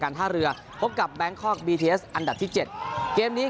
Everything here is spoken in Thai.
ท่าเรือพบกับแบงคอกบีทีเอสอันดับที่เจ็ดเกมนี้